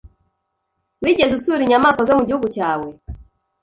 Wigeze usura inyamaswa zo mu gihugu cyawe?